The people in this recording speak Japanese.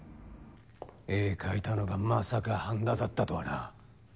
絵描いたのがまさか般田だったとはな。